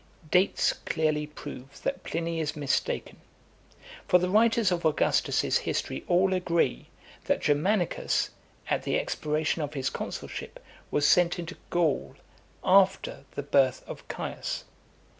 Dates clearly prove that Pliny is mistaken; for the writers of Augustus's history all agree, that Germanicus, at the expiration of his consulship, was sent into Gaul, after the birth of Caius.